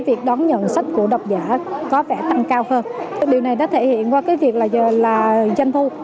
việc đón nhận sách của đọc giả có vẻ tăng cao hơn điều này đã thể hiện qua cái việc là do là danh thu